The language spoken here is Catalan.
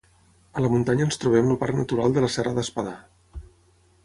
A la muntanya ens trobem el parc natural de la Serra d'Espadà.